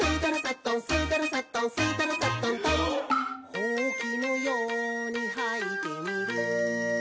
「ほうきのようにはいてみる」